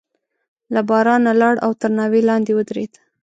له بارانه لاړ او تر ناوې لاندې ودرېد.